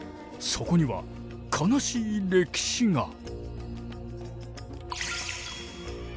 そこには悲しい歴史が。